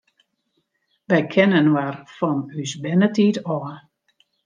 Wy kenne inoar fan ús bernetiid ôf.